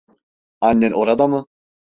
Annen orada mı?